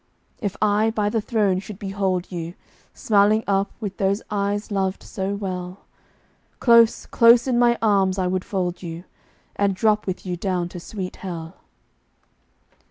If I, by the Throne, should behold you, Smiling up with those eyes loved so well, Close, close in my arms I would fold you, And drop with you down to sweet Hell!